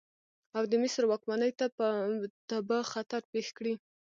او د مصر واکمنۍ ته به خطر پېښ کړي.